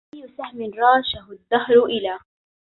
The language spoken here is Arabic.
أى سهم راشه الدهر إلى